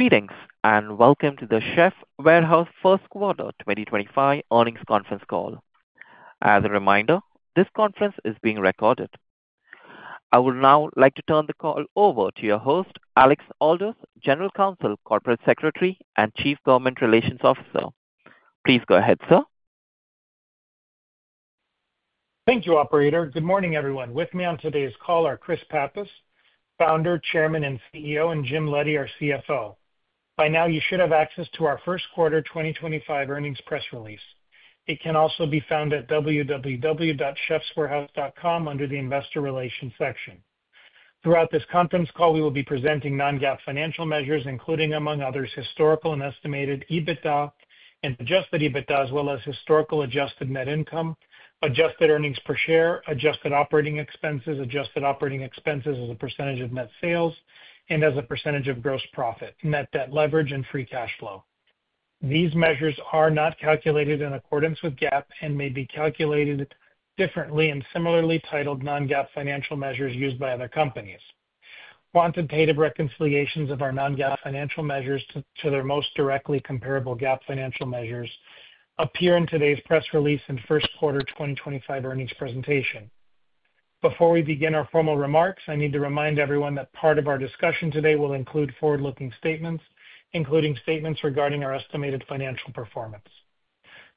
Greetings and welcome to the Chefs' Warehouse Q1 2025 earnings conference call. As a reminder, this conference is being recorded. I would now like to turn the call over to your host, Alex Aldous, General Counsel, Corporate Secretary, and Chief Government Relations Officer. Please go ahead, sir. Thank you, Operator. Good morning, everyone. With me on today's call are Chris Pappas, Founder, Chairman, and CEO, and Jim Leddy, our CFO. By now, you should have access to our Q1 2025 earnings press release. It can also be found at www.chefswarehouse.com under the Investor Relations section. Throughout this conference call, we will be presenting non-GAAP financial measures, including, among others, historical and estimated EBITDA and adjusted EBITDA, as well as historical adjusted net income, adjusted earnings per share, adjusted operating expenses, adjusted operating expenses as a percentage of net sales, and as a percentage of gross profit, net debt leverage, and free cash flow. These measures are not calculated in accordance with GAAP and may be calculated differently in similarly titled non-GAAP financial measures used by other companies. Quantitative reconciliations of our non-GAAP financial measures to their most directly comparable GAAP financial measures appear in today's press release and Q1 2025 earnings presentation. Before we begin our formal remarks, I need to remind everyone that part of our discussion today will include forward-looking statements, including statements regarding our estimated financial performance.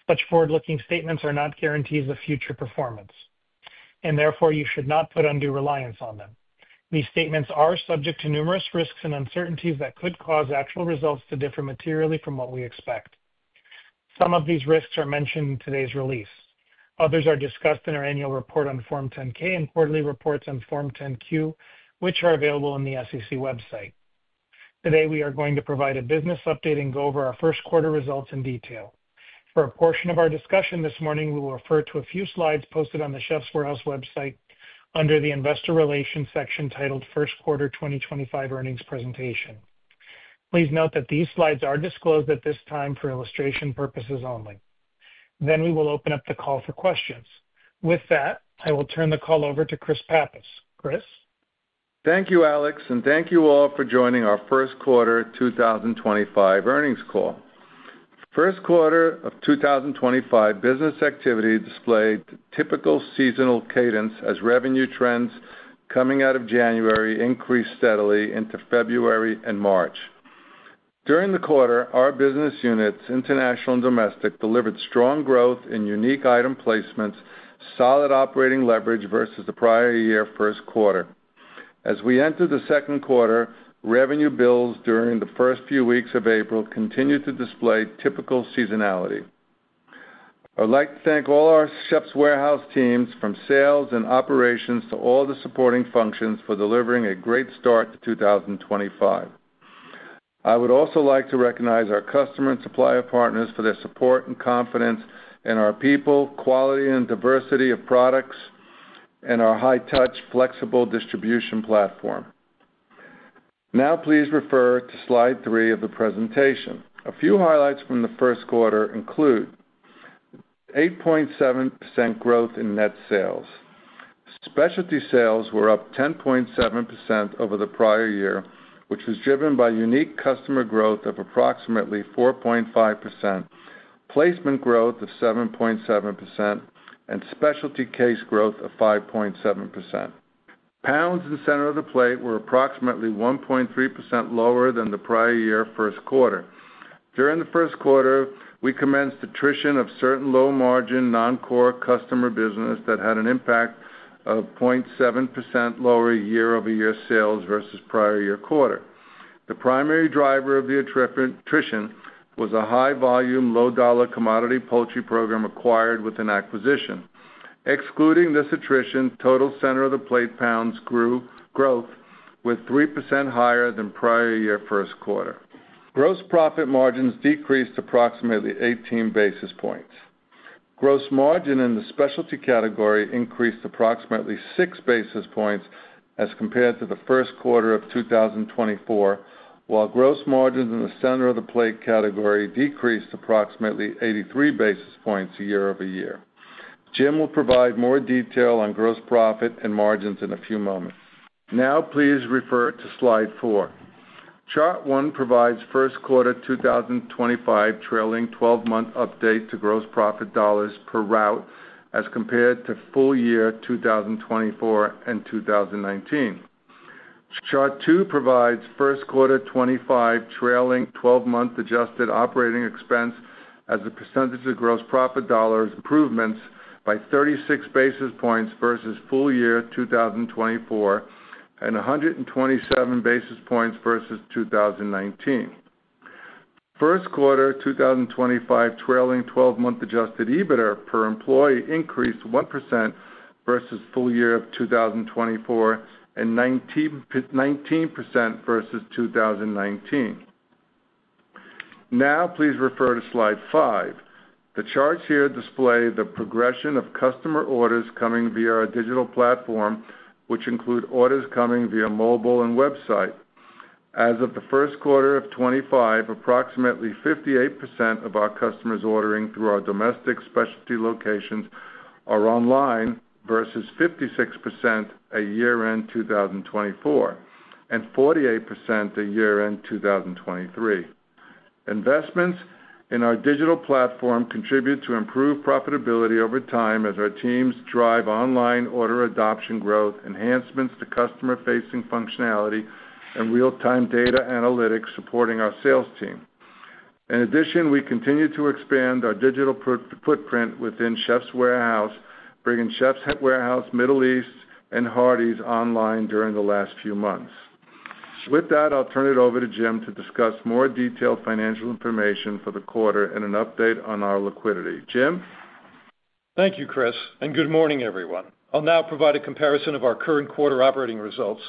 Such forward-looking statements are not guarantees of future performance, and therefore you should not put undue reliance on them. These statements are subject to numerous risks and uncertainties that could cause actual results to differ materially from what we expect. Some of these risks are mentioned in today's release. Others are discussed in our annual report on Form 10-K and quarterly reports on Form 10-Q, which are available on the SEC website. Today, we are going to provide a business update and go over our Q1 results in detail. For a portion of our discussion this morning, we will refer to a few slides posted on the Chefs' Warehouse website under the Investor Relations section titled Q1 2025 earnings presentation. Please note that these slides are disclosed at this time for illustration purposes only. We will open up the call for questions. With that, I will turn the call over to Chris Pappas. Chris. Thank you, Alex, and thank you all for joining our Q1 2025 earnings call. Q1 of 2025 business activity displayed typical seasonal cadence as revenue trends coming out of January increased steadily into February and March. During the quarter, our business units, international and domestic, delivered strong growth in unique item placements, solid operating leverage versus the prior year Q1. As we entered the Q2, revenue bills during the first few weeks of April continued to display typical seasonality. I would like to thank all our Chefs' Warehouse teams, from sales and operations to all the supporting functions, for delivering a great start to 2025. I would also like to recognize our customer and supplier partners for their support and confidence in our people, quality and diversity of products, and our high-touch, flexible distribution platform. Now, please refer to slide three of the presentation. A few highlights from the Q1 include 8.7% growth in net sales. Specialty sales were up 10.7% over the prior year, which was driven by unique customer growth of approximately 4.5%, placement growth of 7.7%, and specialty case growth of 5.7%. Pounds and center of the plate were approximately 1.3% lower than the prior year Q1. During the Q1, we commenced attrition of certain low-margin, non-core customer business that had an impact of 0.7% lower year-over-year sales versus prior year quarter. The primary driver of the attrition was a high-volume, low-dollar commodity poultry program acquired with an acquisition. Excluding this attrition, total center of the plate pounds grew with 3% higher than prior year Q1. Gross profit margins decreased approximately 18 basis points. Gross margin in the specialty category increased approximately 6 basis points as compared to the Q1 of 2024, while gross margins in the center of the plate category decreased approximately 83 basis points year-over-year. Jim will provide more detail on gross profit and margins in a few moments. Now, please refer to slide four. Chart one provides Q1 2025 trailing 12-month update to gross profit dollars per route as compared to full year 2024 and 2019. Chart two provides Q1 2025 trailing 12-month adjusted operating expense as a percentage of gross profit dollars improvements by 36 basis points versus full year 2024 and 127 basis points versus 2019. Q1 2025 trailing 12-month adjusted EBITDA per employee increased 1% versus full year of 2024 and 19% versus 2019. Now, please refer to slide five. The charts here display the progression of customer orders coming via our digital platform, which include orders coming via mobile and website. As of the Q1 of 2025, approximately 58% of our customers ordering through our domestic specialty locations are online versus 56% at year-end 2024 and 48% at year-end 2023. Investments in our digital platform contribute to improved profitability over time as our teams drive online order adoption growth, enhancements to customer-facing functionality, and real-time data analytics supporting our sales team. In addition, we continue to expand our digital footprint within Chefs' Warehouse, bringing Chefs' Warehouse, Middle East, and Hardie's online during the last few months. With that, I'll turn it over to Jim to discuss more detailed financial information for the quarter and an update on our liquidity. Jim. Thank you, Chris, and good morning, everyone. I'll now provide a comparison of our current quarter operating results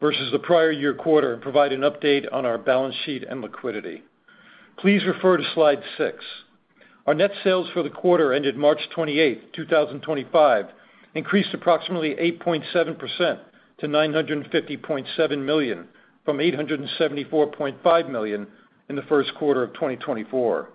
versus the prior year quarter and provide an update on our balance sheet and liquidity. Please refer to slide six. Our net sales for the quarter ended March 28, 2025, increased approximately 8.7% to $950.7 million from $874.5 million in the Q1 of 2024.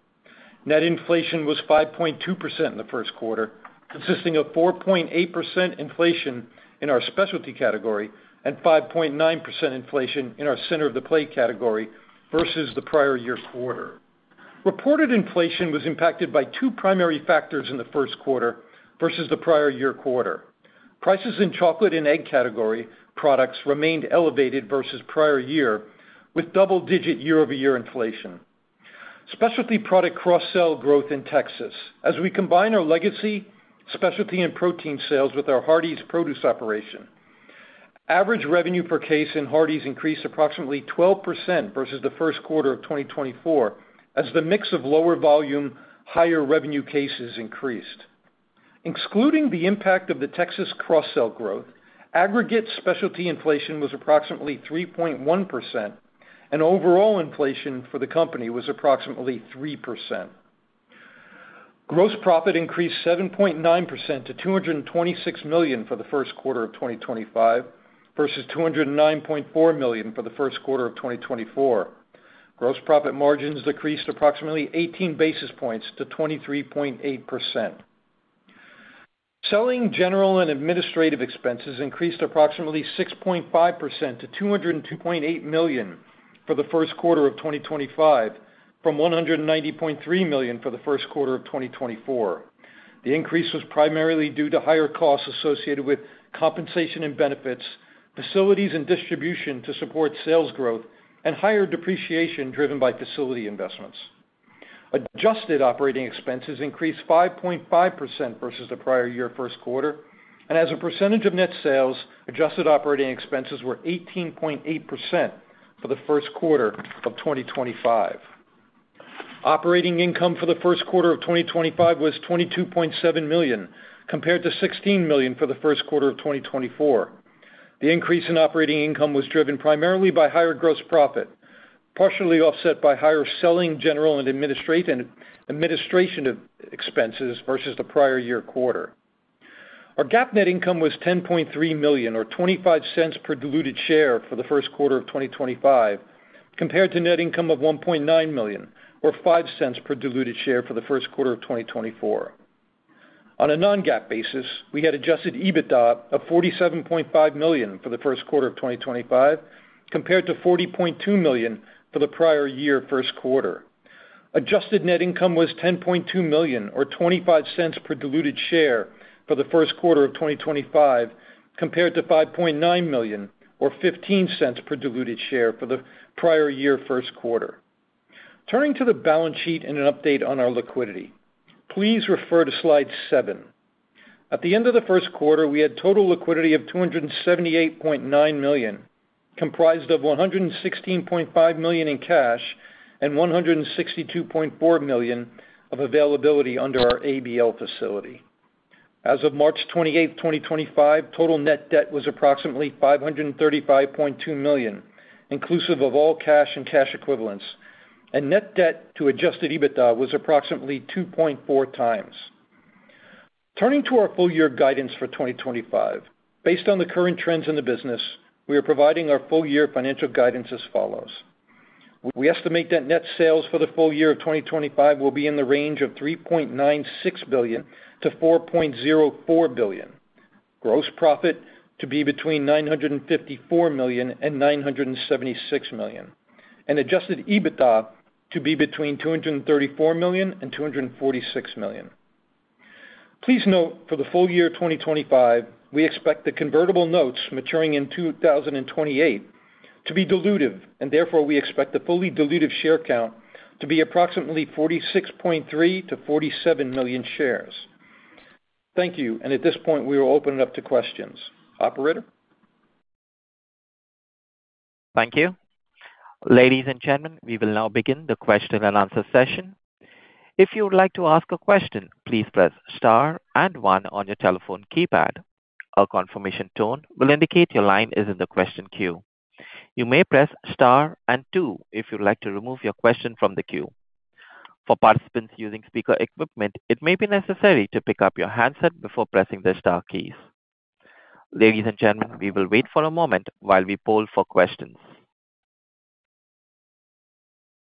Net inflation was 5.2% in the Q1, consisting of 4.8% inflation in our specialty category and 5.9% inflation in our center of the plate category versus the prior year quarter. Reported inflation was impacted by two primary factors in the Q1 versus the prior year quarter. Prices in chocolate and egg category products remained elevated versus prior year with double-digit year-over-year inflation. Specialty product cross-sell growth in Texas. As we combine our legacy specialty and protein sales with our Hardee's produce operation, average revenue per case in Hardee's increased approximately 12% versus the Q1 of 2024 as the mix of lower volume, higher revenue cases increased. Excluding the impact of the Texas cross-sell growth, aggregate specialty inflation was approximately 3.1%, and overall inflation for the company was approximately 3%. Gross profit increased 7.9% to $226 million for the Q1 of 2025 versus $209.4 million for the Q1 of 2024. Gross profit margins decreased approximately 18 basis points to 23.8%. Selling, general and administrative expenses increased approximately 6.5% to $202.8 million for the Q1 of 2025 from $190.3 million for the Q1 of 2024. The increase was primarily due to higher costs associated with compensation and benefits, facilities and distribution to support sales growth, and higher depreciation driven by facility investments. Adjusted operating expenses increased 5.5% versus the prior year Q1, and as a percentage of net sales, adjusted operating expenses were 18.8% for the Q1 of 2025. Operating income for the Q1 of 2025 was $22.7 million compared to $16 million for the Q1 of 2024. The increase in operating income was driven primarily by higher gross profit, partially offset by higher selling general and administration expenses versus the prior year quarter. Our GAAP net income was $10.3 million, or $0.25 per diluted share for the Q1 of 2025, compared to net income of $1.9 million, or $0.05 per diluted share for the Q1 of 2024. On a non-GAAP basis, we had adjusted EBITDA of $47.5 million for the Q1 of 2025, compared to $40.2 million for the prior year Q1. Adjusted net income was $10.2 million, or $0.25 per diluted share for the Q1 of 2025, compared to $5.9 million, or $0.15 per diluted share for the prior year Q1. Turning to the balance sheet and an update on our liquidity, please refer to slide seven. At the end of the Q1, we had total liquidity of $278.9 million, comprised of $116.5 million in cash and $162.4 million of availability under our ABL facility. As of March 28, 2025, total net debt was approximately $535.2 million, inclusive of all cash and cash equivalents, and net debt to adjusted EBITDA was approximately 2.4 times. Turning to our full year guidance for 2025, based on the current trends in the business, we are providing our full year financial guidance as follows. We estimate that net sales for the full year of 2025 will be in the range of $3.96 billion-$4.04 billion, gross profit to be between $954 million and $976 million, and adjusted EBITDA to be between $234 million and $246 million. Please note, for the full year 2025, we expect the convertible notes maturing in 2028 to be dilutive, and therefore we expect the fully dilutive share count to be approximately 46.3-47 million shares. Thank you, and at this point, we will open it up to questions. Operator. Thank you. Ladies and gentlemen, we will now begin the question and answer session. If you would like to ask a question, please press star and one on your telephone keypad. A confirmation tone will indicate your line is in the question queue. You may press star and two if you'd like to remove your question from the queue. For participants using speaker equipment, it may be necessary to pick up your handset before pressing the star keys. Ladies and gentlemen, we will wait for a moment while we poll for questions.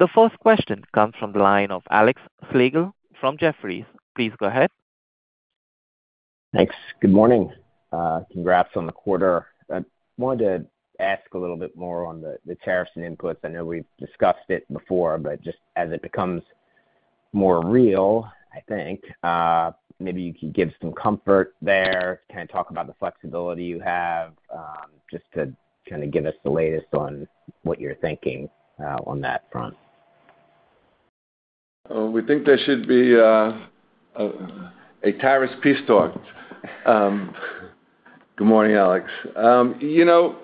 The first question comes from the line of Alex Slagle from Jefferies. Please go ahead. Thanks. Good morning. Congrats on the quarter. I wanted to ask a little bit more on the tariffs and inputs. I know we've discussed it before, but just as it becomes more real, I think, maybe you could give some comfort there, kind of talk about the flexibility you have, just to kind of give us the latest on what you're thinking on that front. We think there should be a tariffs peace talk. Good morning, Alex. You know,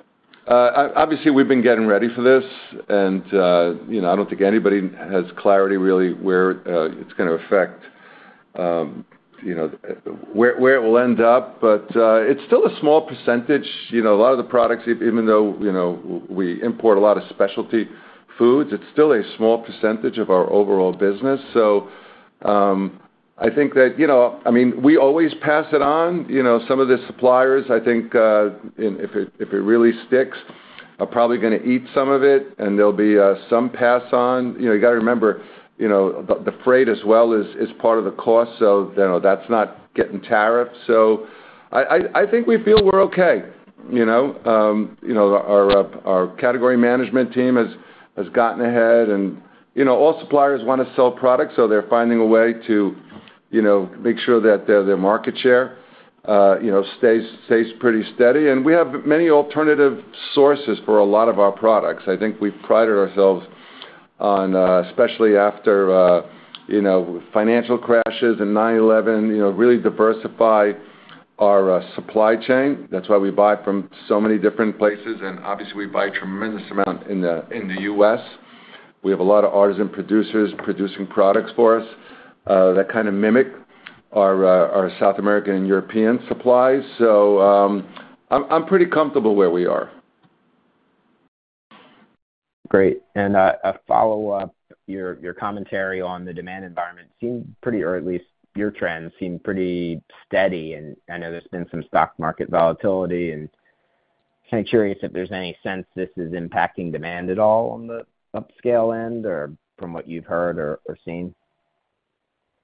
obviously, we've been getting ready for this, and I don't think anybody has clarity really where it's going to affect, where it will end up, but it's still a small percentage. You know, a lot of the products, even though we import a lot of specialty foods, it's still a small percentage of our overall business. I think that, you know, I mean, we always pass it on. Some of the suppliers, I think if it really sticks, are probably going to eat some of it, and there'll be some pass on. You know, you got to remember, you know, the freight as well is part of the cost, so that's not getting tariffed. I think we feel we're okay. You know, our category management team has gotten ahead, and you know, all suppliers want to sell products, so they're finding a way to, you know, make sure that their market share, you know, stays pretty steady. We have many alternative sources for a lot of our products. I think we've prided ourselves on, especially after, you know, financial crashes and 9/11, you know, really diversify our supply chain. That's why we buy from so many different places, and obviously, we buy a tremendous amount in the U.S. We have a lot of artisan producers producing products for us that kind of mimic our South American and European supplies. I am pretty comfortable where we are. Great. A follow-up, your commentary on the demand environment seemed pretty, or at least your trend seemed pretty steady. I know there's been some stock market volatility, and kind of curious if there's any sense this is impacting demand at all on the upscale end or from what you've heard or seen.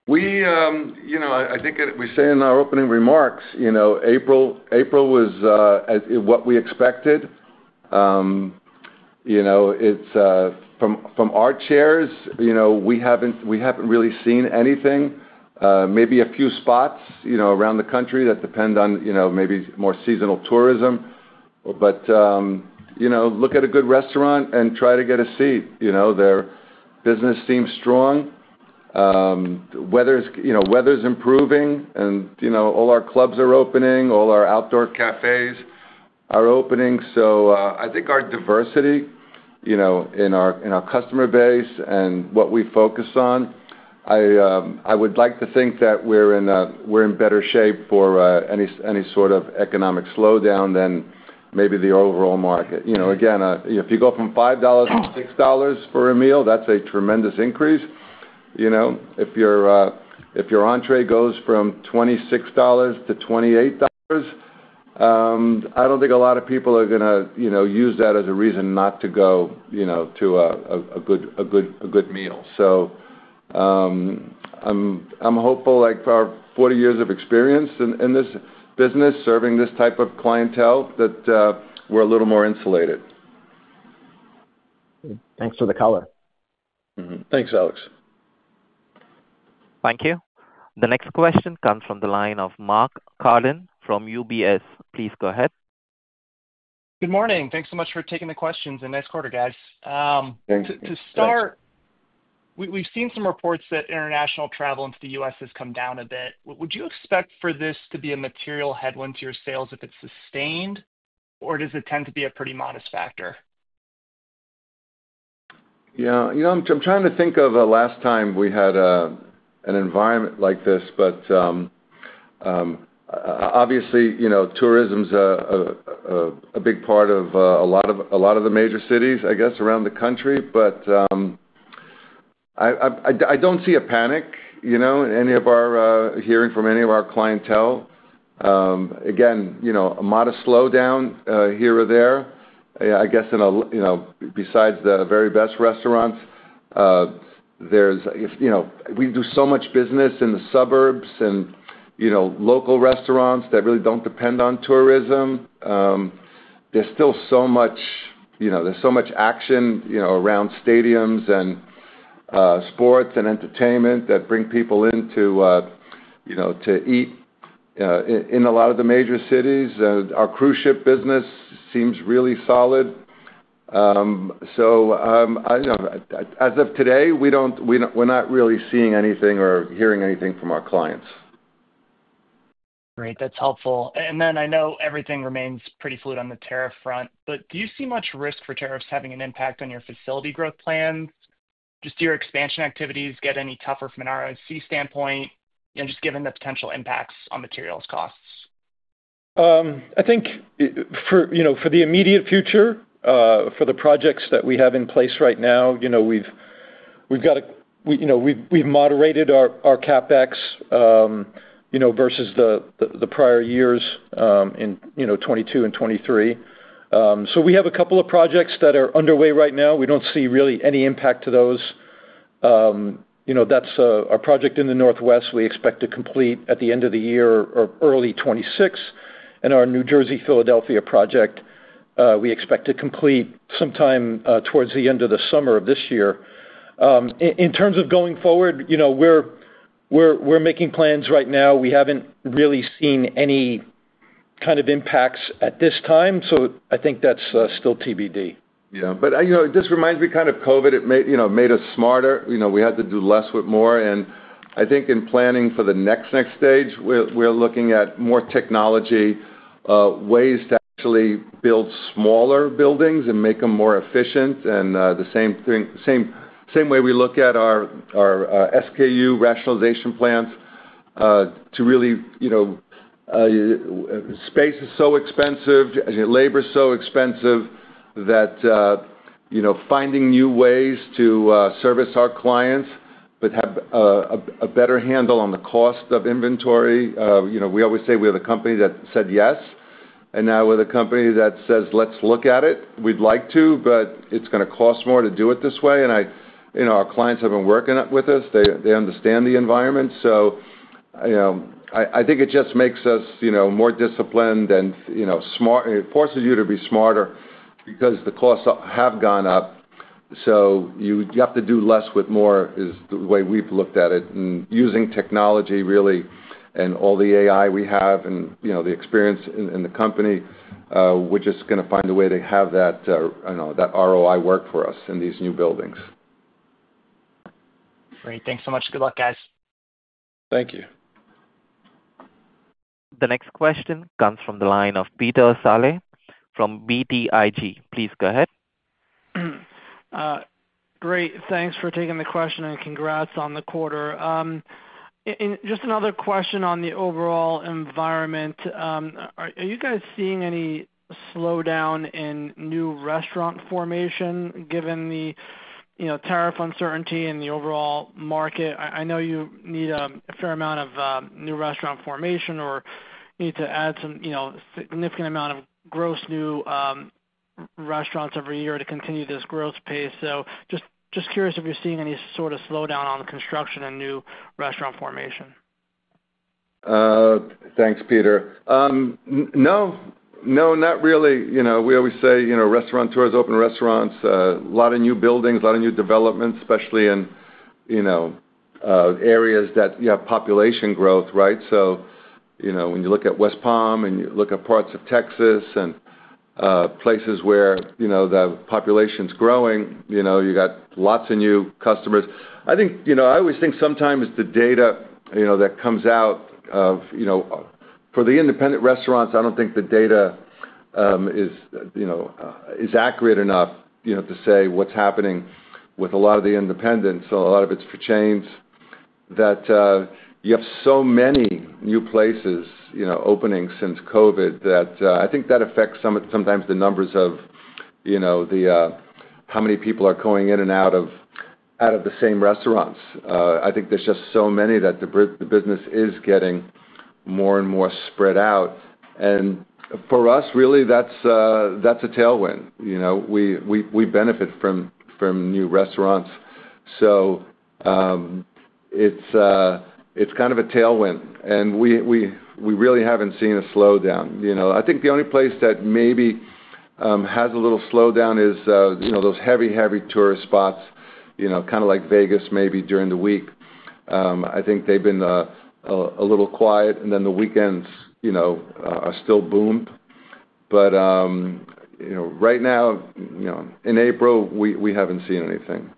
We, you know, I think we say in our opening remarks, you know, April was what we expected. You know, from our chairs, you know, we have not really seen anything. Maybe a few spots, you know, around the country that depend on, you know, maybe more seasonal tourism. You know, look at a good restaurant and try to get a seat. You know, their business seems strong. Weather is improving, and you know, all our clubs are opening, all our outdoor cafes are opening. I think our diversity, you know, in our customer base and what we focus on, I would like to think that we are in better shape for any sort of economic slowdown than maybe the overall market. You know, again, if you go from $5 to $6 for a meal, that is a tremendous increase. You know, if your entree goes from $26 to $28, I do not think a lot of people are going to, you know, use that as a reason not to go, you know, to a good meal. I am hopeful for our 40 years of experience in this business, serving this type of clientele, that we are a little more insulated. Thanks for the color. Thanks, Alex. Thank you. The next question comes from the line of Mark Carden from UBS. Please go ahead. Good morning. Thanks so much for taking the questions in this quarter, guys. Thanks. To start, we've seen some reports that international travel into the U.S. has come down a bit. Would you expect for this to be a material headwind to your sales if it's sustained, or does it tend to be a pretty modest factor? Yeah. You know, I'm trying to think of the last time we had an environment like this, but obviously, you know, tourism's a big part of a lot of the major cities, I guess, around the country. I don't see a panic, you know, in any of our hearing from any of our clientele. Again, you know, a modest slowdown here or there. I guess, you know, besides the very best restaurants, there's, you know, we do so much business in the suburbs and, you know, local restaurants that really don't depend on tourism. There's still so much, you know, there's so much action, you know, around stadiums and sports and entertainment that bring people in to, you know, to eat in a lot of the major cities. Our cruise ship business seems really solid. You know, as of today, we don't, we're not really seeing anything or hearing anything from our clients. Great. That's helpful. I know everything remains pretty fluid on the tariff front, but do you see much risk for tariffs having an impact on your facility growth plans? Do your expansion activities get any tougher from an ROC standpoint, you know, just given the potential impacts on materials costs? I think, you know, for the immediate future, for the projects that we have in place right now, you know, we've got a, you know, we've moderated our CAPEX, you know, versus the prior years in, you know, 2022 and 2023. So we have a couple of projects that are underway right now. We don't see really any impact to those. You know, that's our project in the Northwest. We expect to complete at the end of the year or early 2026. And our New Jersey-Philadelphia project, we expect to complete sometime towards the end of the summer of this year. In terms of going forward, you know, we're making plans right now. We haven't really seen any kind of impacts at this time. I think that's still TBD. Yeah. You know, this reminds me kind of COVID. It, you know, made us smarter. You know, we had to do less with more. I think in planning for the next next stage, we're looking at more technology, ways to actually build smaller buildings and make them more efficient. The same way we look at our SKU rationalization plans to really, you know, space is so expensive, labor is so expensive that, you know, finding new ways to service our clients, but have a better handle on the cost of inventory. You know, we always say we have a company that said yes, and now we have a company that says, let's look at it. We'd like to, but it's going to cost more to do it this way. I, you know, our clients have been working with us. They understand the environment. You know, I think it just makes us, you know, more disciplined and, you know, smart. It forces you to be smarter because the costs have gone up. You have to do less with more is the way we've looked at it. Using technology really and all the AI we have and, you know, the experience in the company, we're just going to find a way to have that, you know, that ROI work for us in these new buildings. Great. Thanks so much. Good luck, guys. Thank you. The next question comes from the line of Peter Saleh from BTIG. Please go ahead. Great. Thanks for taking the question and congrats on the quarter. Just another question on the overall environment. Are you guys seeing any slowdown in new restaurant formation given the, you know, tariff uncertainty and the overall market? I know you need a fair amount of new restaurant formation or you need to add some, you know, significant amount of gross new restaurants every year to continue this growth pace. Just curious if you're seeing any sort of slowdown on construction and new restaurant formation. Thanks, Peter. No, no, not really. You know, we always say, you know, restaurateurs open restaurants, a lot of new buildings, a lot of new developments, especially in, you know, areas that you have population growth, right? You know, when you look at West Palm and you look at parts of Texas and places where, you know, the population's growing, you know, you got lots of new customers. I think, you know, I always think sometimes the data, you know, that comes out of, you know, for the independent restaurants, I don't think the data is, you know, is accurate enough, you know, to say what's happening with a lot of the independents. A lot of it's for chains that you have so many new places, you know, opening since COVID that I think that affects sometimes the numbers of, you know, how many people are going in and out of the same restaurants. I think there's just so many that the business is getting more and more spread out. For us, really, that's a tailwind. You know, we benefit from new restaurants. It's kind of a tailwind. We really haven't seen a slowdown. I think the only place that maybe has a little slowdown is, you know, those heavy, heavy tourist spots, you know, kind of like Las Vegas maybe during the week. I think they've been a little quiet, and then the weekends, you know, are still boomed. Right now, you know, in April, we haven't seen anything.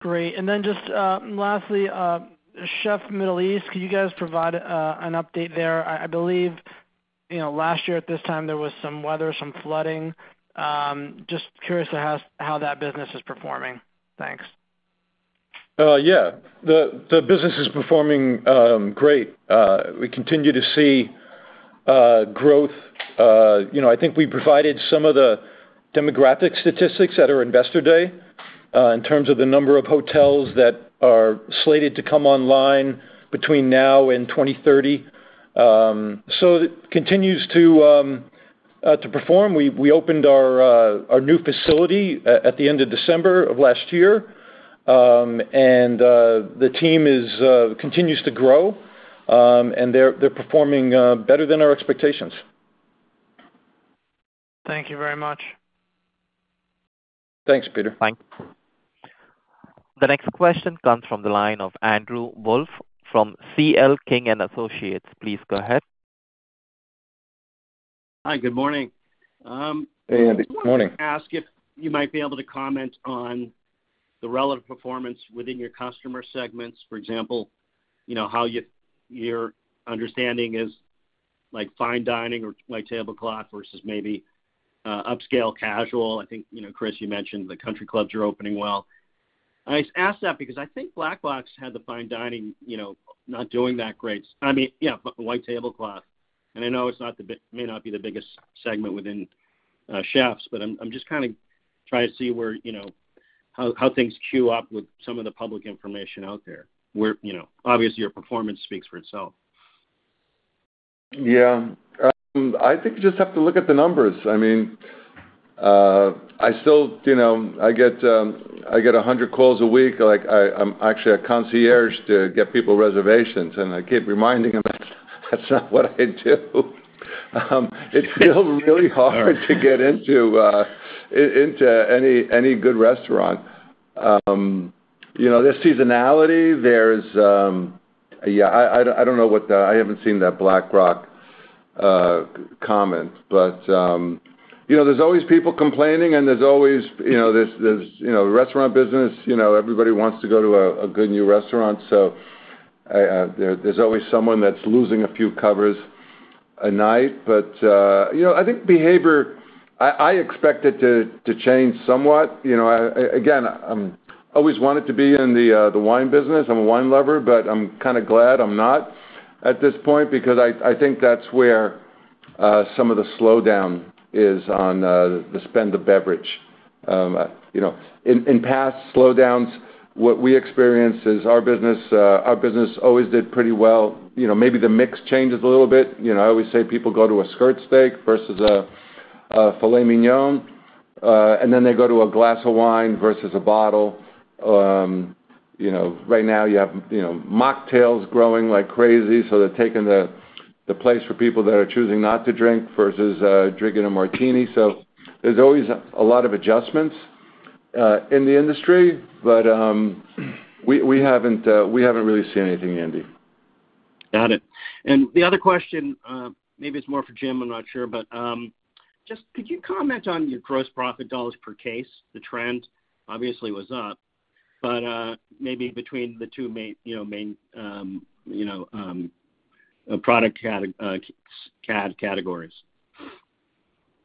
Great. Lastly, Chef Middle East, could you guys provide an update there? I believe, you know, last year at this time, there was some weather, some flooding. Just curious to how that business is performing. Thanks. Yeah. The business is performing great. We continue to see growth. You know, I think we provided some of the demographic statistics at our investor day in terms of the number of hotels that are slated to come online between now and 2030. It continues to perform. We opened our new facility at the end of December of last year, and the team continues to grow, and they're performing better than our expectations. Thank you very much. Thanks, Peter. Thanks. The next question comes from the line of Andrew Wolf from C.L. King & Associates. Please go ahead. Hi, good morning. Hey, Andy. Good morning. I wanted to ask if you might be able to comment on the relative performance within your customer segments, for example, you know, how your understanding is like fine dining or white tablecloth versus maybe upscale casual. I think, you know, Chris, you mentioned the country clubs are opening well. I ask that because I think Black Box had the fine dining, you know, not doing that great. I mean, yeah, white tablecloth. And I know it may not be the biggest segment within Chefs' Warehouse, but I'm just kind of trying to see where, you know, how things queue up with some of the public information out there where, you know, obviously your performance speaks for itself. Yeah. I think you just have to look at the numbers. I mean, I still, you know, I get 100 calls a week. Like I'm actually a concierge to get people reservations, and I keep reminding them that's not what I do. It's still really hard to get into any good restaurant. You know, there's seasonality. There's, yeah, I don't know what the, I haven't seen that Black Box comment, but, you know, there's always people complaining and there's always, you know, there's, you know, restaurant business, you know, everybody wants to go to a good new restaurant. So there's always someone that's losing a few covers a night. But, you know, I think behavior, I expect it to change somewhat. You know, again, I always wanted to be in the wine business. I'm a wine lover, but I'm kind of glad I'm not at this point because I think that's where some of the slowdown is on the spend of beverage. You know, in past slowdowns, what we experienced is our business always did pretty well. You know, maybe the mix changes a little bit. You know, I always say people go to a skirt steak versus a filet mignon, and then they go to a glass of wine versus a bottle. You know, right now you have, you know, mocktails growing like crazy. So they're taking the place for people that are choosing not to drink versus drinking a martini. There is always a lot of adjustments in the industry, but we haven't really seen anything, Andy. Got it. The other question, maybe it's more for Jim. I'm not sure, but just could you comment on your gross profit dollars per case? The trend obviously was up, but maybe between the two main, you know, main, you know, product categories.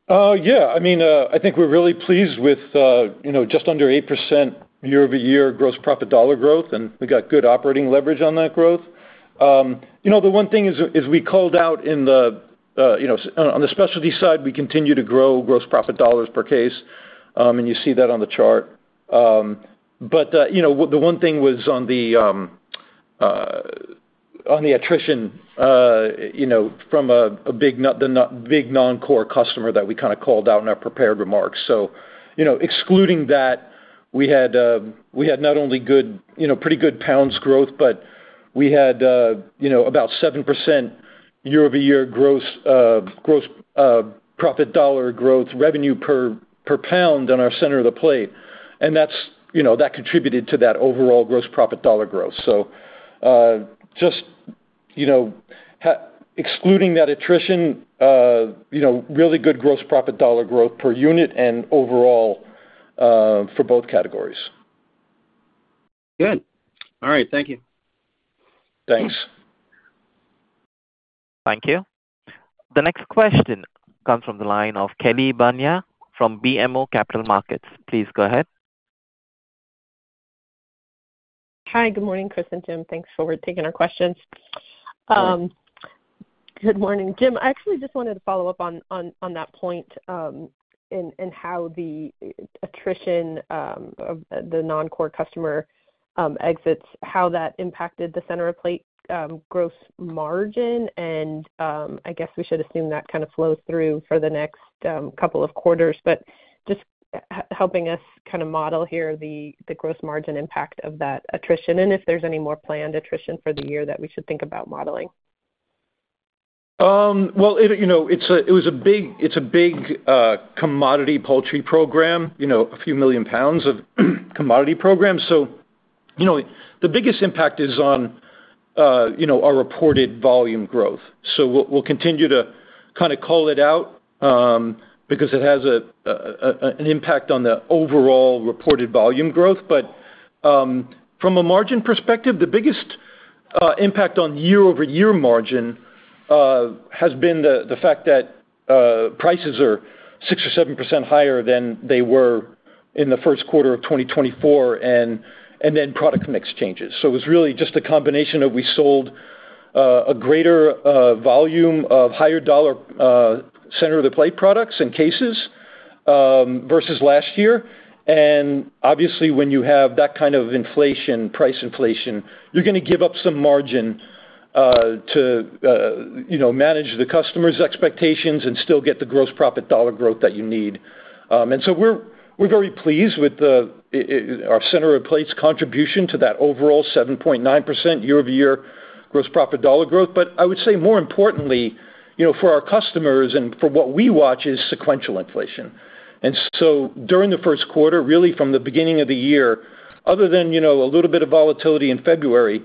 Yeah. I mean, I think we're really pleased with, you know, just under 8% year-over-year gross profit dollar growth, and we got good operating leverage on that growth. You know, the one thing is we called out in the, you know, on the specialty side, we continue to grow gross profit dollars per case, and you see that on the chart. You know, the one thing was on the attrition, you know, from a big non-core customer that we kind of called out in our prepared remarks. You know, excluding that, we had not only good, you know, pretty good pounds growth, but we had, you know, about 7% year-over-year gross profit dollar growth revenue per pound on our center of the plate. And that's, you know, that contributed to that overall gross profit dollar growth. Just, you know, excluding that attrition, you know, really good gross profit dollar growth per unit and overall for both categories. Good. All right. Thank you. Thanks. Thank you. The next question comes from the line of Kelly Bania from BMO Capital Markets. Please go ahead. Hi, good morning, Chris and Jim. Thanks for taking our questions. Good morning, Jim. I actually just wanted to follow up on that point and how the attrition of the non-core customer exits, how that impacted the center of plate gross margin. I guess we should assume that kind of flows through for the next couple of quarters, but just helping us kind of model here the gross margin impact of that attrition and if there's any more planned attrition for the year that we should think about modeling. You know, it was a big, it's a big commodity poultry program, you know, a few million pounds of commodity program. You know, the biggest impact is on, you know, our reported volume growth. We will continue to kind of call it out because it has an impact on the overall reported volume growth. From a margin perspective, the biggest impact on year-over-year margin has been the fact that prices are 6-7% higher than they were in the Q1 of 2024, and then product mix changes. It was really just a combination of we sold a greater volume of higher dollar center of the plate products and cases versus last year. Obviously, when you have that kind of inflation, price inflation, you're going to give up some margin to, you know, manage the customer's expectations and still get the gross profit dollar growth that you need. We are very pleased with our center of plate's contribution to that overall 7.9% year-over-year gross profit dollar growth. I would say more importantly, you know, for our customers and for what we watch is sequential inflation. During the Q1, really from the beginning of the year, other than, you know, a little bit of volatility in February,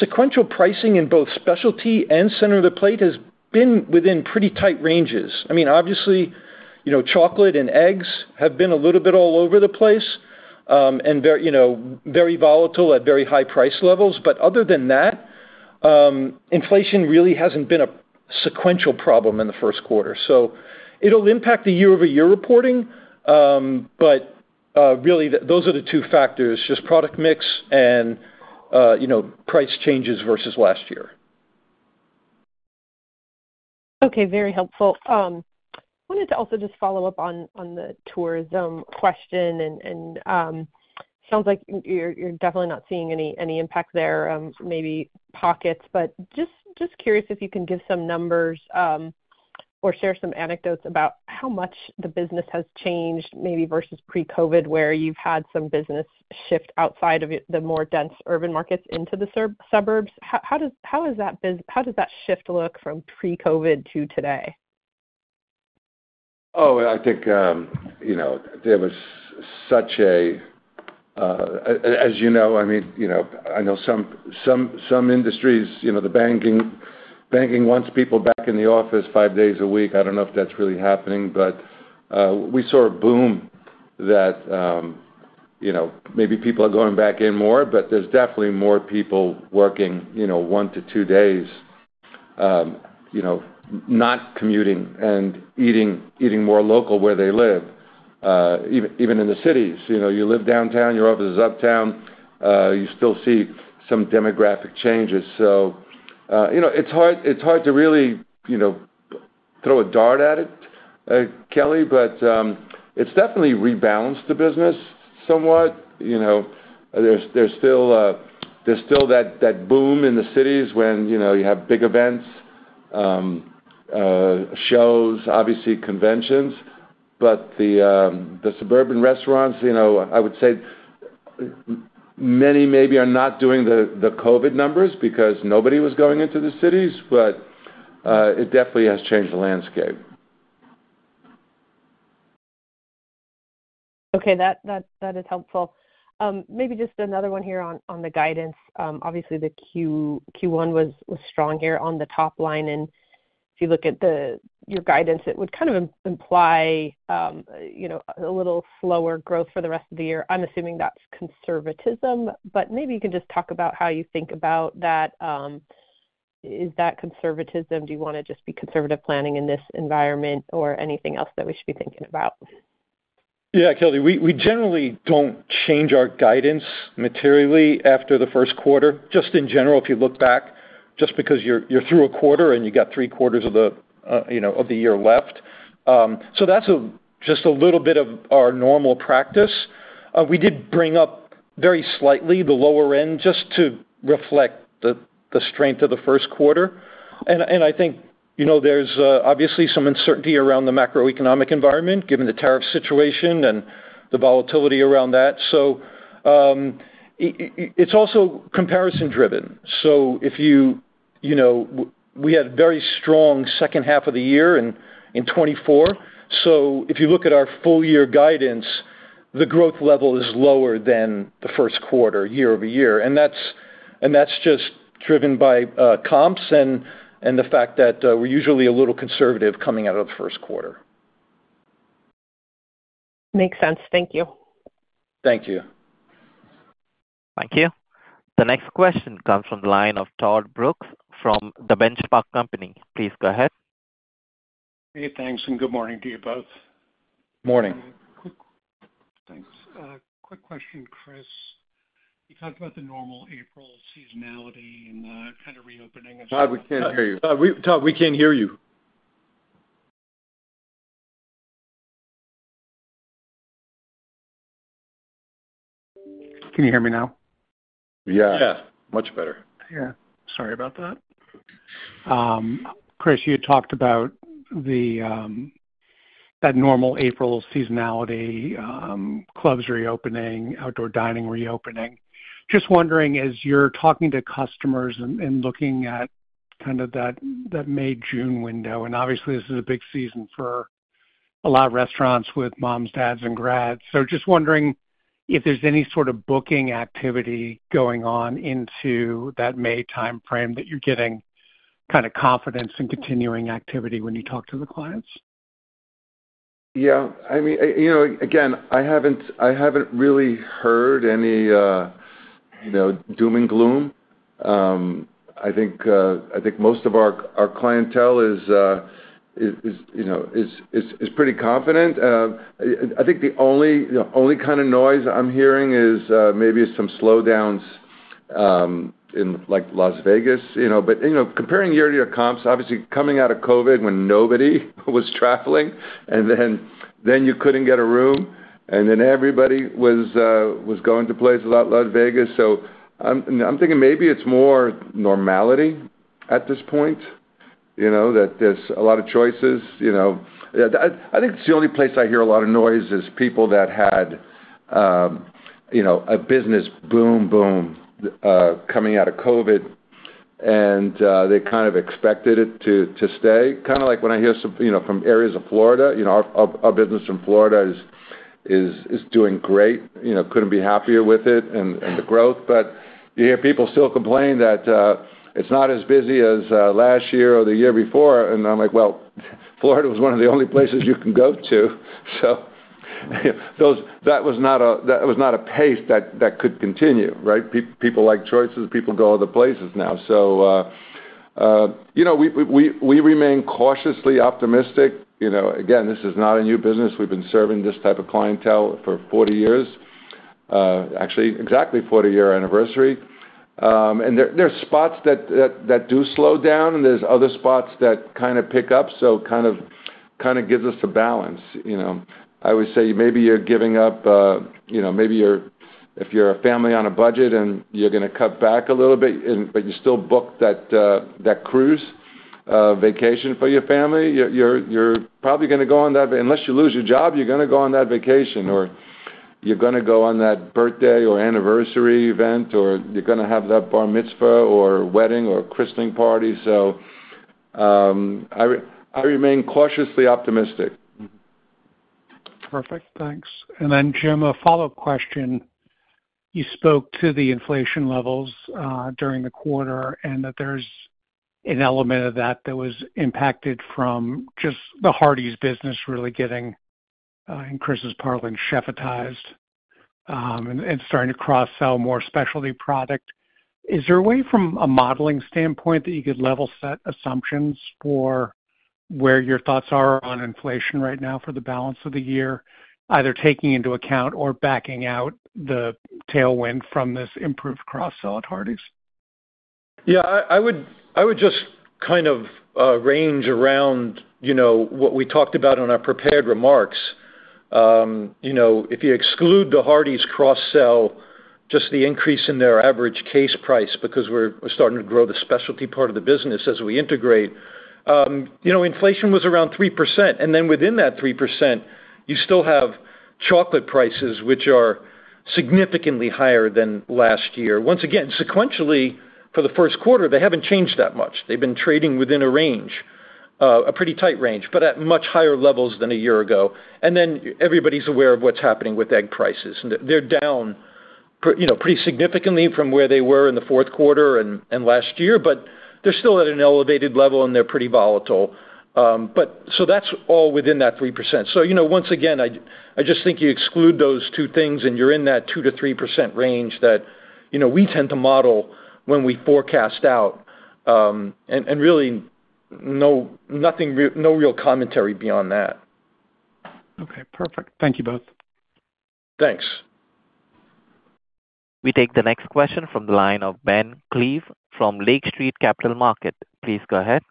sequential pricing in both specialty and center of the plate has been within pretty tight ranges. I mean, obviously, you know, chocolate and eggs have been a little bit all over the place and, you know, very volatile at very high price levels. Other than that, inflation really hasn't been a sequential problem in the Q1. It will impact the year-over-year reporting, but really those are the two factors, just product mix and, you know, price changes versus last year. Okay. Very helpful. I wanted to also just follow up on the tourism question. It sounds like you're definitely not seeing any impact there, maybe pockets, but just curious if you can give some numbers or share some anecdotes about how much the business has changed maybe versus pre-COVID where you've had some business shift outside of the more dense urban markets into the suburbs. How does that shift look from pre-COVID to today? Oh, I think, you know, there was such a, as you know, I mean, you know, I know some industries, you know, the banking wants people back in the office five days a week. I don't know if that's really happening, but we saw a boom that, you know, maybe people are going back in more, but there's definitely more people working, you know, one to two days, you know, not commuting and eating more local where they live, even in the cities. You know, you live downtown, you're over the uptown, you still see some demographic changes. You know, it's hard to really, you know, throw a dart at it, Kelly, but it's definitely rebalanced the business somewhat. You know, there's still that boom in the cities when, you know, you have big events, shows, obviously conventions, but the suburban restaurants, you know, I would say many maybe are not doing the COVID numbers because nobody was going into the cities, but it definitely has changed the landscape. Okay. That is helpful. Maybe just another one here on the guidance. Obviously, the Q1 was strong here on the top line. And if you look at your guidance, it would kind of imply, you know, a little slower growth for the rest of the year. I'm assuming that's conservatism, but maybe you can just talk about how you think about that. Is that conservatism? Do you want to just be conservative planning in this environment or anything else that we should be thinking about? Yeah, Kelly, we generally do not change our guidance materially after the Q1. Just in general, if you look back, just because you are through a quarter and you got three quarters of the, you know, of the year left. That is just a little bit of our normal practice. We did bring up very slightly the lower end just to reflect the strength of the Q1. I think, you know, there is obviously some uncertainty around the macroeconomic environment given the tariff situation and the volatility around that. It is also comparison driven. If you, you know, we had a very strong second half of the year in 2024. If you look at our full year guidance, the growth level is lower than the Q1, year-over-year. That's just driven by comps and the fact that we're usually a little conservative coming out of the Q1. Makes sense. Thank you. Thank you. Thank you. The next question comes from the line of Todd Brooks from the Benchmark Company. Please go ahead. Hey, thanks. Good morning to you both. Morning. Thanks. Quick question, Chris. You talked about the normal April seasonality and the kind of reopening of. Todd, we can't hear you. Todd, we can't hear you. Can you hear me now? Yeah. Yeah. Much better. Yeah. Sorry about that. Chris, you talked about that normal April seasonality, clubs reopening, outdoor dining reopening. Just wondering, as you're talking to customers and looking at kind of that May, June window, and obviously this is a big season for a lot of restaurants with moms, dads, and grads. Just wondering if there's any sort of booking activity going on into that May timeframe that you're getting kind of confidence in continuing activity when you talk to the clients? Yeah. I mean, you know, again, I haven't really heard any, you know, doom and gloom. I think most of our clientele is, you know, is pretty confident. I think the only kind of noise I'm hearing is maybe some slowdowns in like Las Vegas, you know, but, you know, comparing year to year comps, obviously coming out of COVID when nobody was traveling and then you couldn't get a room and then everybody was going to places out in Las Vegas. I am thinking maybe it's more normality at this point, you know, that there's a lot of choices. You know, I think it's the only place I hear a lot of noise is people that had, you know, a business boom, boom coming out of COVID and they kind of expected it to stay. Kind of like when I hear, you know, from areas of Florida, you know, our business in Florida is doing great. You know, could not be happier with it and the growth. You hear people still complain that it is not as busy as last year or the year before. I am like, Florida was one of the only places you can go to. That was not a pace that could continue, right? People like choices. People go other places now. You know, we remain cautiously optimistic. You know, again, this is not a new business. We have been serving this type of clientele for 40 years, actually exactly 40-year anniversary. There are spots that do slow down and there are other spots that kind of pick up. Kind of gives us a balance, you know. I would say maybe you're giving up, you know, maybe if you're a family on a budget and you're going to cut back a little bit, but you still book that cruise vacation for your family, you're probably going to go on that. Unless you lose your job, you're going to go on that vacation or you're going to go on that birthday or anniversary event or you're going to have that bar mitzvah or wedding or christening party. I remain cautiously optimistic. Perfect. Thanks. Jim, a follow-up question. You spoke to the inflation levels during the quarter and that there's an element of that that was impacted from just the Hardee's business really getting, in Chris's parlance, chef-atized and starting to cross-sell more specialty product. Is there a way from a modeling standpoint that you could level set assumptions for where your thoughts are on inflation right now for the balance of the year, either taking into account or backing out the tailwind from this improved cross-sell at Hardee's? Yeah. I would just kind of range around, you know, what we talked about in our prepared remarks. You know, if you exclude the Hardee's cross-sell, just the increase in their average case price because we're starting to grow the specialty part of the business as we integrate, you know, inflation was around 3%. And then within that 3%, you still have chocolate prices, which are significantly higher than last year. Once again, sequentially for the Q1, they haven't changed that much. They've been trading within a range, a pretty tight range, but at much higher levels than a year ago. You know, everybody's aware of what's happening with egg prices. They're down, you know, pretty significantly from where they were in the Q4 and last year, but they're still at an elevated level and they're pretty volatile. That is all within that 3%. You know, once again, I just think you exclude those two things and you're in that 2-3% range that, you know, we tend to model when we forecast out and really no real commentary beyond that. Okay. Perfect. Thank you both. Thanks. We take the next question from the line of Ben Klieve from Lake Street Capital Markets. Please go ahead.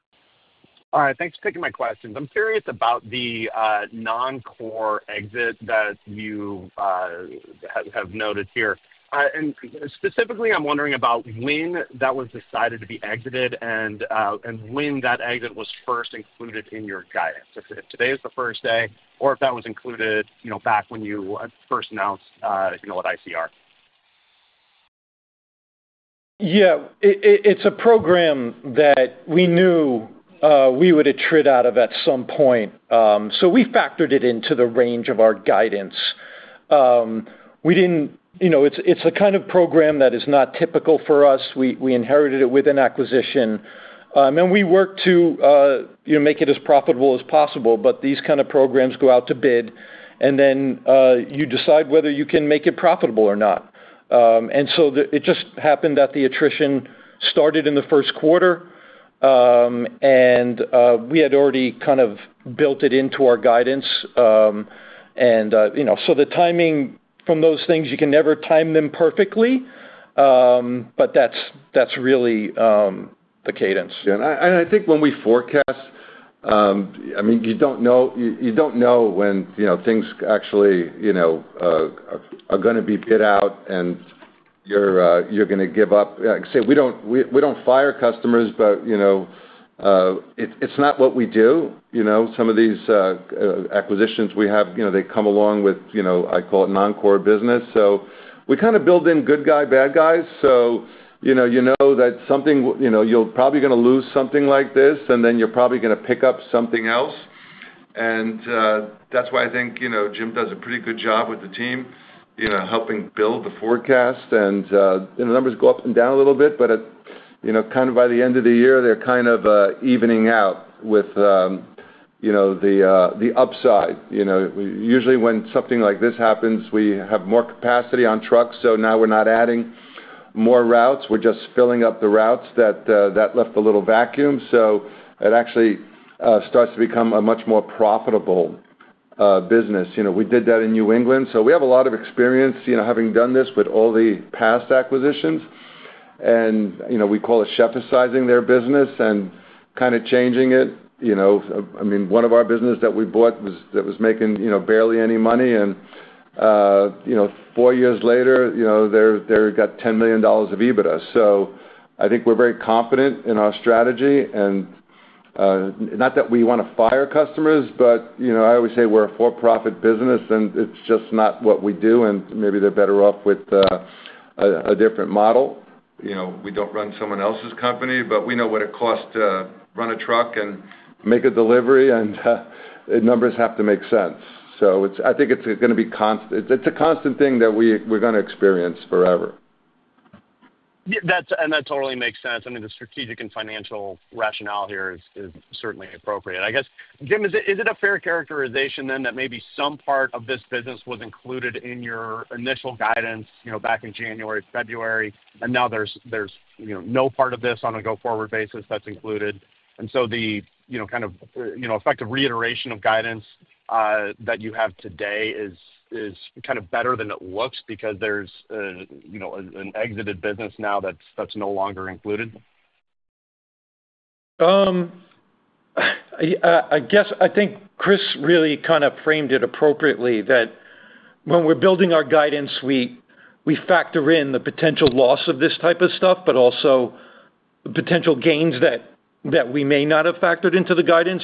All right. Thanks for taking my questions. I'm curious about the non-core exit that you have noted here. Specifically, I'm wondering about when that was decided to be exited and when that exit was first included in your guidance, if today is the first day or if that was included, you know, back when you first announced, you know, at ICR. Yeah. It's a program that we knew we would have tried out of at some point. So we factored it into the range of our guidance. We didn't, you know, it's a kind of program that is not typical for us. We inherited it with an acquisition. And we work to, you know, make it as profitable as possible, but these kind of programs go out to bid and then you decide whether you can make it profitable or not. It just happened that the attrition started in the Q1 and we had already kind of built it into our guidance. You know, the timing from those things, you can never time them perfectly, but that's really the cadence. Yeah. I think when we forecast, I mean, you do not know when things actually are going to be bid out and you are going to give up. I can say we do not fire customers, but it is not what we do. Some of these acquisitions we have, they come along with, I call it non-core business. We kind of build in good guy, bad guys. You know that something, you are probably going to lose something like this and then you are probably going to pick up something else. That is why I think Jim does a pretty good job with the team, helping build the forecast. You know, numbers go up and down a little bit, but, you know, kind of by the end of the year, they're kind of evening out with, you know, the upside. You know, usually when something like this happens, we have more capacity on trucks. Now we're not adding more routes. We're just filling up the routes that left a little vacuum. It actually starts to become a much more profitable business. You know, we did that in New England. We have a lot of experience, you know, having done this with all the past acquisitions. You know, we call it chef-atizing their business and kind of changing it. I mean, one of our businesses that we bought that was making, you know, barely any money. Four years later, you know, they got $10 million of EBITDA. I think we're very confident in our strategy. Not that we want to fire customers, but, you know, I always say we're a for-profit business and it's just not what we do. Maybe they're better off with a different model. You know, we don't run someone else's company, but we know what it costs to run a truck and make a delivery. Numbers have to make sense. I think it's going to be constant. It's a constant thing that we're going to experience forever. That totally makes sense. I mean, the strategic and financial rationale here is certainly appropriate. I guess, Jim, is it a fair characterization then that maybe some part of this business was included in your initial guidance, you know, back in January, February, and now there's, you know, no part of this on a go-forward basis that's included. The, you know, kind of, you know, effective reiteration of guidance that you have today is kind of better than it looks because there's, you know, an exited business now that's no longer included? I guess I think Chris really kind of framed it appropriately that when we're building our guidance, we factor in the potential loss of this type of stuff, but also the potential gains that we may not have factored into the guidance.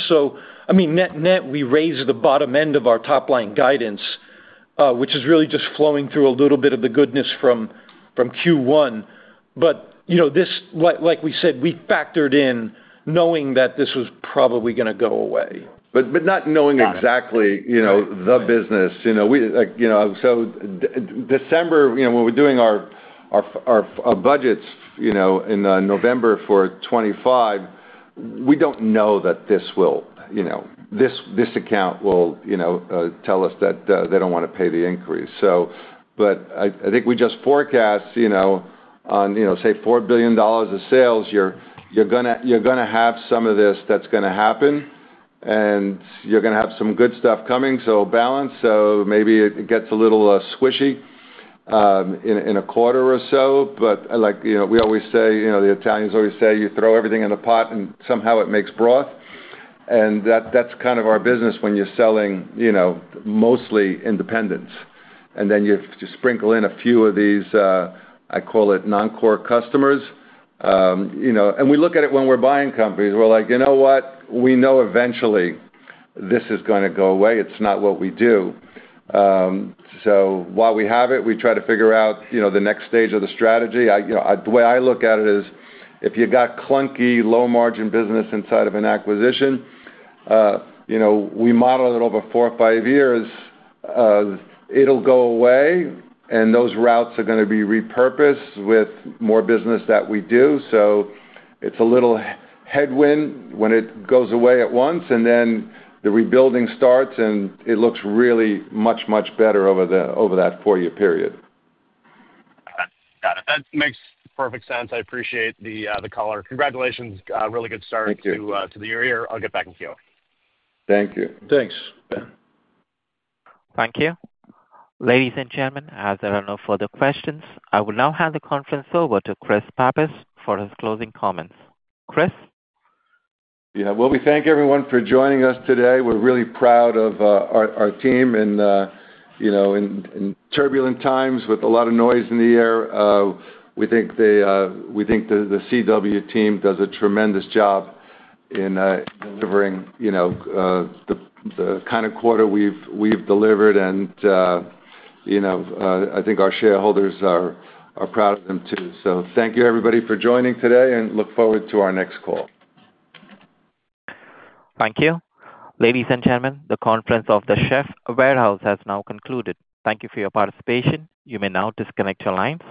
I mean, net net, we raised the bottom end of our top line guidance, which is really just flowing through a little bit of the goodness from Q1. You know, this, like we said, we factored in knowing that this was probably going to go away. Not knowing exactly, you know, the business. You know, you know, December, you know, when we're doing our budgets, you know, in November for 2025, we don't know that this will, you know, this account will, you know, tell us that they don't want to pay the increase. I think we just forecast, you know, on, you know, say $4 billion of sales, you're going to have some of this that's going to happen and you're going to have some good stuff coming. Balance. Maybe it gets a little squishy in a quarter or so. Like, you know, we always say, you know, the Italians always say you throw everything in the pot and somehow it makes broth. That's kind of our business when you're selling, you know, mostly independents. You sprinkle in a few of these, I call it non-core customers. You know, and we look at it when we're buying companies. We're like, you know what? We know eventually this is going to go away. It's not what we do. So while we have it, we try to figure out, you know, the next stage of the strategy. The way I look at it is if you got clunky low margin business inside of an acquisition, you know, we model it over four or five years, it'll go away and those routes are going to be repurposed with more business that we do. It's a little headwind when it goes away at once and then the rebuilding starts and it looks really much, much better over that four-year period. Got it. That makes perfect sense. I appreciate the color. Congratulations. Really good start to the year. I'll get back with you. Thank you. Thanks, Ben. Thank you. Ladies and gentlemen, as there are no further questions, I will now hand the conference over to Chris Pappas for his closing comments. Chris? Yeah. We thank everyone for joining us today. We're really proud of our team and, you know, in turbulent times with a lot of noise in the air, we think the CW team does a tremendous job in delivering, you know, the kind of quarter we've delivered. You know, I think our shareholders are proud of them too. Thank you, everybody, for joining today and look forward to our next call. Thank you. Ladies and gentlemen, the conference of The Chefs' Warehouse has now concluded. Thank you for your participation. You may now disconnect your lines.